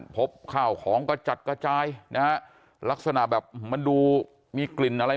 พบข้าวของกระจัดกระจายนะฮะลักษณะแบบมันดูมีกลิ่นอะไร